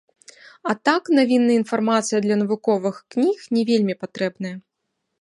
А так, навінная інфармацыя для навуковых кніг не вельмі патрэбная.